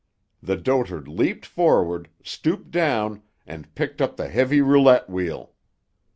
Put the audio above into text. The dotard leaped forward, stooped down, and picked up the heavy roulette wheel.